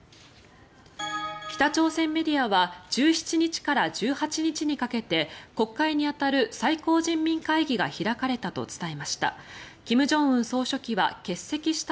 北朝鮮メディアは１７日から１８日にかけて国会に当たる最高人民会議が開かれたと伝えました。